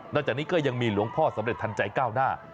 จากนี้ก็ยังมีหลวงพ่อสำเร็จทันใจก้าวหน้า